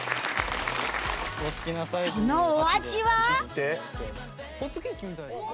そのお味は？